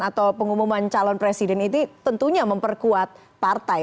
atau pengumuman calon presiden itu tentunya memperkuat partai